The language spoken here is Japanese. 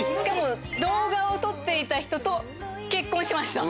動画を撮っていた人と結婚しました。